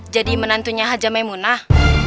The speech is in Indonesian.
jadi menantunya hajar maimunah